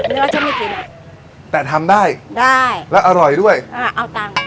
เนื้อจะไม่กินอ่ะแต่ทำได้ได้แล้วอร่อยด้วยอ่าเอาตังค์